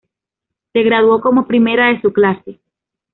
Se graduó como primera de su clase.